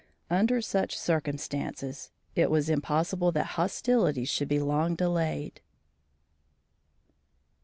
Under such circumstances it was impossible that hostilities should be long delayed.